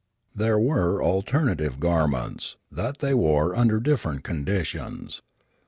There were alternative garments, that they wore under different conditions.